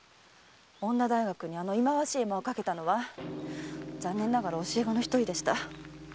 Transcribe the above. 女大学にあの忌まわしい絵馬を掛けたのは残念ながら教え子の一人でした。